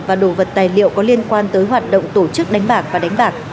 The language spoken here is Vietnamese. và đồ vật tài liệu có liên quan tới hoạt động tổ chức đánh bạc và đánh bạc